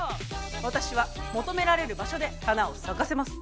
私は求められる場所で花を咲かせます。